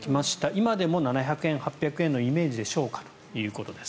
今でも７００円、８００円のイメージでしょうかということです。